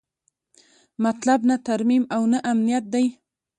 مطلب نه ترمیم او نه امنیت دی.